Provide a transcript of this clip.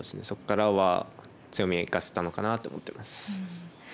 そこからは強みを生かせたのかなと思ってます。